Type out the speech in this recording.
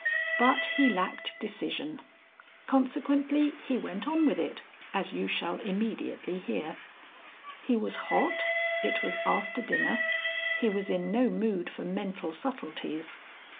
But he lacked decision. Consequently he went on with it, as you shall immediately hear. He was hot, it was after dinner, he was in no mood for mental subtleties.